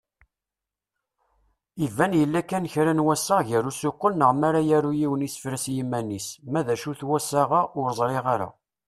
Iban yella kan kra n wassaɣ gar usuqel neɣ mara yaru yiwen isefra s yiman-is, ma d acu-t wassaɣ-a, ur ẓriɣ ara.